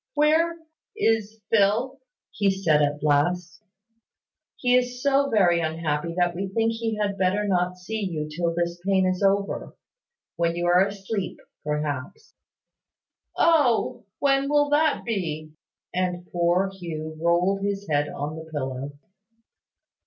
"Where is Phil?" he said at last. "He is so very unhappy, that we think he had better not see you till this pain is over. When you are asleep, perhaps." "Oh! When will that be?" and poor Hugh rolled his head on the pillow.